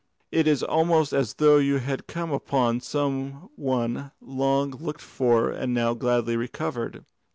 It is almost as though you had come upon some one long looked for and now gladly recovered.